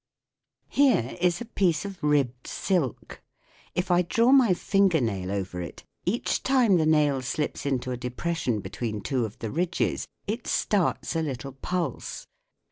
Here is a piece of ribbed silk. If 1 draw my finger nail over it, each time the nail slips into a depression between two of the ridges, it starts a little pulse.